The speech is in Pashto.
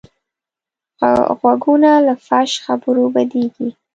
غوږونه له فحش خبرو بدېږي